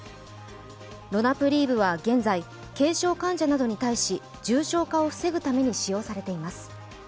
ロナプリーブは現在、軽症患者などに対し重症化を防ぐために使用されています。